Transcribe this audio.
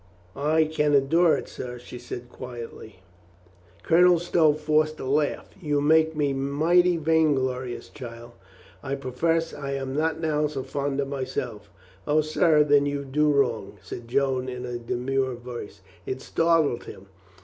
"I can endure it, sir," she said quietly. COLONEL STOW IS AWAKED 415 Colonel Stow forced a laugh. "You make me mighty vain glorious, child. I profess I am not now so fond of myself." "O, sir, then you do wrong," said Joan in a de mure voice. It startled him.